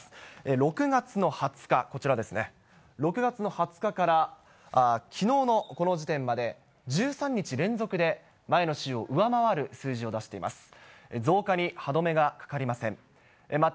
６月の２０日、こちらですね、６月の２０日から、きのうのこの時点まで、１３日連続で、前の週を上回る数字を出しています。